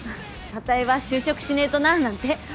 あたいは就職しねえとななんて。